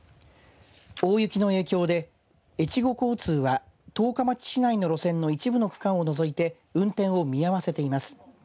大雪の影響で越後交通は十日町市内の路線の一部の区間を除いて運転を見合わせています。